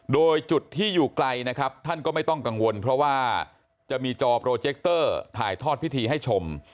โดยจุดที่อยู่ไกลนะครับท่านก็ไม่ต้องกังวลเพราะว่าจะมีจอโปรเจคเตอร์ถ่ายทอดพิธีให้ชม